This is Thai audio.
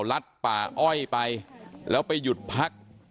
ลัดป่าอ้อยไปแล้วไปหยุดพัก